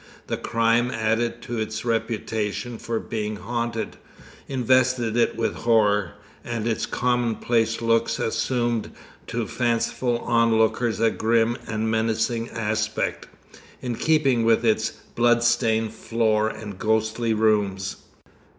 The crime, added to its reputation for being haunted, invested it with horror; and its commonplace looks assumed to fanciful onlookers a grim and menacing aspect, in keeping with its blood stained floor and ghostly rooms.